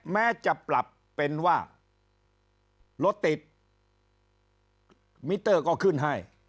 แม้จะปรับเป็นว่ารถติดมิเตอร์ก็ขึ้นให้